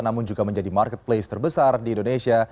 namun juga menjadi marketplace terbesar di indonesia